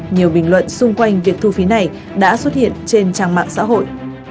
nhiều bình luận xung quanh việc thu phí này đã xuất hiện trên trang mạng xã hội